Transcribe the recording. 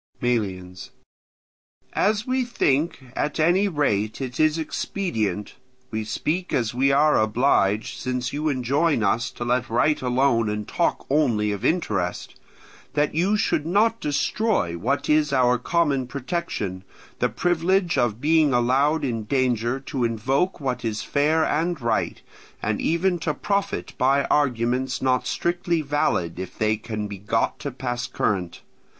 Melians. As we think, at any rate, it is expedient—we speak as we are obliged, since you enjoin us to let right alone and talk only of interest—that you should not destroy what is our common protection, the privilege of being allowed in danger to invoke what is fair and right, and even to profit by arguments not strictly valid if they can be got to pass current.